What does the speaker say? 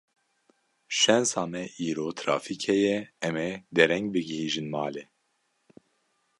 Şensa me îro trafîk heye, em ê dereng bigihîjin malê.